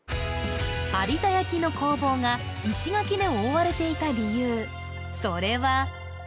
有田焼の工房が石垣で覆われていた理由